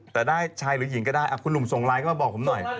แต่ได้ชายหรือหญิงก็ได้คุณหนุ่มส่งไลน์เข้ามาบอกผมหน่อย